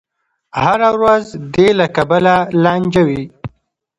هره ورځ دې له کبله لانجه وي.